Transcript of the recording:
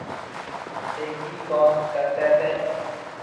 ٿي ڪِي ڪوم ڪرتي تي